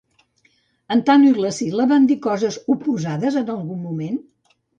En Tanu i la Sila van dir coses oposades en algun moment?